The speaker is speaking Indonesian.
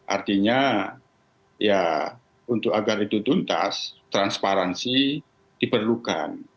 artinya ya untuk agar itu tuntas transparansi diperlukan